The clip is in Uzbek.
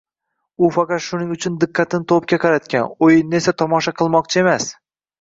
U faqat shuning uchun diqqatini to'pga qaratgan, o'yinni esa tomosha qilmoqchi emas.